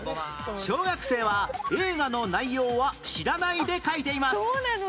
小学生は映画の内容は知らないで描いています